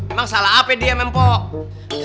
emang salah apa dia emang pok